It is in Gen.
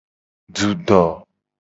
Dudo.